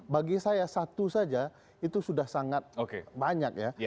bagi saya satu saja itu sudah sangat banyak ya